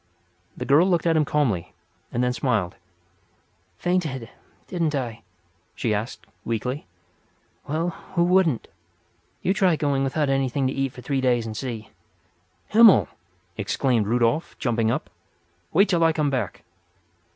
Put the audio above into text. The girl looked at him calmly, and then smiled. "Fainted, didn't I?" she asked, weakly. "Well, who wouldn't? You try going without anything to eat for three days and see!" "Himmel!" exclaimed Rudolf, jumping up. "Wait till I come back."